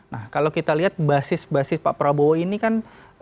nah kalau kita lihat basis basis pak prabowo ini kan